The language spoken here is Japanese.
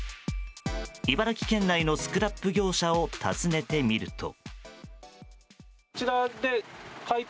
茨城県内のスクラップ業者を訪ねてみると。